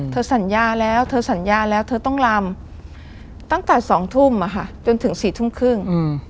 สัญญาแล้วเธอสัญญาแล้วเธอต้องลำตั้งแต่๒ทุ่มจนถึง๔ทุ่มครึ่ง